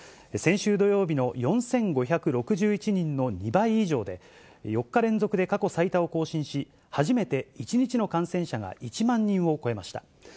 先週土曜日の４５６１人の２倍以上で、４日連続で過去最多を更新し、初めて１日の感染者が１万人を超えました。